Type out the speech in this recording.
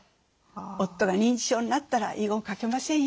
夫が認知症になったら遺言書けませんよ。